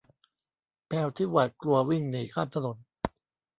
แมวที่หวาดกลัววิ่งหนีข้ามถนน